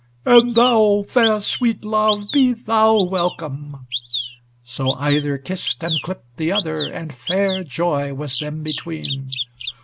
"And thou, fair sweet love, be thou welcome." So either kissed and clipped the other, and fair joy was them between.